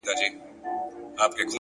لوړ همت له ستړیا پورته وي’